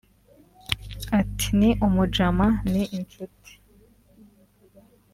Ati « Ni umudjama [ni inshuti]